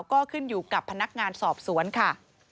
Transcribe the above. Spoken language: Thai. ก็ขึ้นอยู่กับพนักงานสอบสวนค่ะ